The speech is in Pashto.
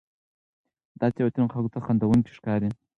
دا تېروتنې خلکو ته خندوونکې ښکاري.